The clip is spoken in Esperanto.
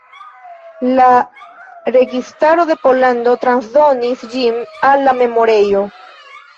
La registaro de Pollando transdonis ĝin al la memorejo.